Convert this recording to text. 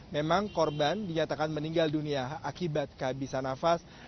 memang korban dinyatakan meninggal dunia akibat kehabisan nafas